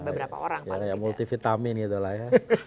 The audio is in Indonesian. beberapa orang mana ya multivitamin gitu lah ya